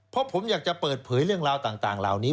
เพราะผมอยากจะเปิดเผยเรื่องราวต่างเหล่านี้